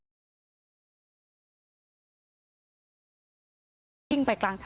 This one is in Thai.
สุดท้าย